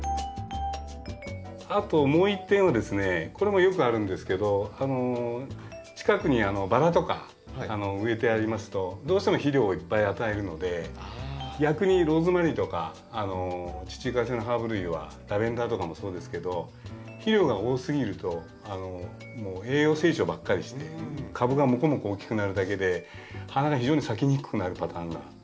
あともう一点はですねこれもよくあるんですけど近くにバラとか植えてありますとどうしても肥料をいっぱい与えるので逆にローズマリーとか地中海性のハーブ類はラベンダーとかもそうですけど肥料が多すぎると栄養成長ばっかりして株がモコモコ大きくなるだけで花が非常に咲きにくくなるパターンがよくあります。